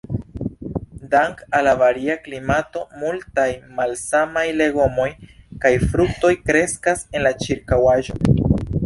Dank' al la varia klimato, multaj malsamaj legomoj kaj fruktoj kreskas en la ĉirkaŭaĵo.